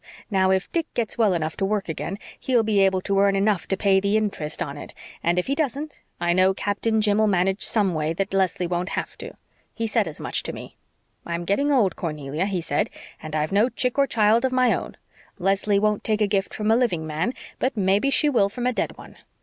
Now, if Dick gets well enough to work again he'll be able to earn enough to pay the interest on it; and if he doesn't I know Captain Jim'll manage someway that Leslie won't have to. He said as much to me. 'I'm getting old, Cornelia,' he said, 'and I've no chick or child of my own. Leslie won't take a gift from a living man, but mebbe she will from a dead one.'